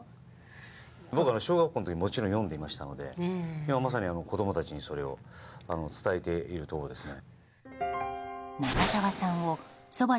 僕は小学校の時もちろん読んでいましたのでまさに子供たちにそれを伝えているところですね。